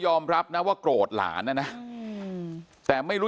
เป็นมีดปลายแหลมยาวประมาณ๑ฟุตนะฮะที่ใช้ก่อเหตุ